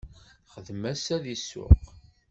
Texdem ass-a deg ssuq.